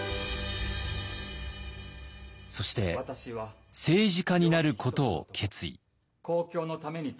そして政治家になることを決意。